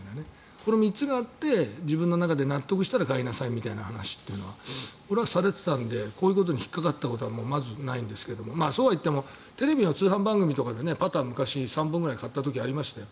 この３つがあって自分の中で納得したら買いなさいという話はされていたのでこういうことに引っかかったことはまずないんですがそうはいってもテレビの通販番組とかでパターを昔、３本ぐらい買ったことありましたよ。